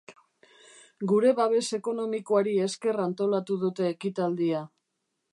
Gure babes ekonomikoari esker antolatu dute ekitaldia.